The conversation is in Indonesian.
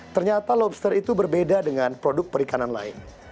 ternyata lobster itu berbeda dengan produk perikanan lain